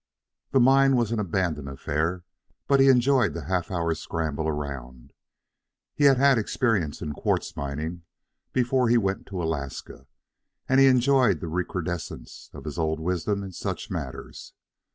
The mine was an abandoned affair, but he enjoyed the half hour's scramble around. He had had experience in quartz mining before he went to Alaska, and he enjoyed the recrudescence of his old wisdom in such matters.